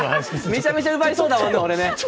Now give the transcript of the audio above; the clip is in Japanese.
めちゃめちゃ奪いそうだもんね、俺ね。